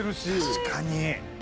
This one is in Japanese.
確かに。